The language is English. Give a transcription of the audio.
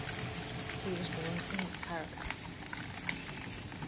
He was born in Caracas.